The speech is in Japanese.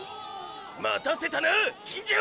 待たせたな金城！